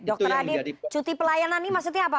dokter adi cuti pelayanan ini maksudnya apa